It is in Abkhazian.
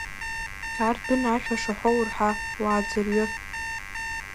Ардәына ашәа шаҳәо урҳа, уааӡырҩы!